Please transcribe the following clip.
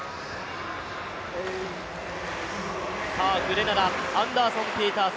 グレナダ、アンダーソン・ピータース。